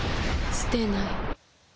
すてない。